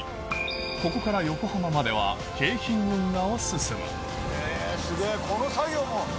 ここから横浜までは京浜運河を進むへぇすげぇ。